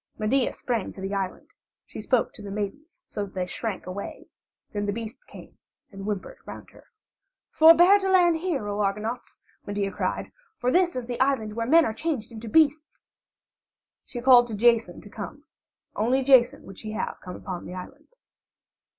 Medea sprang to the island; she spoke to the maidens so that they shrank away; then the beasts came and whimpered around her. "Forbear to land here, O Argonauts," Medea cried, "for this is the island where men are changed into beasts." She called to Jason to come; only Jason would she have come upon the island.